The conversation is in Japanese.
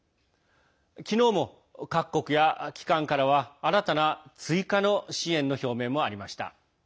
昨日も各国や機関からは、新たな追加の支援の表明もありました。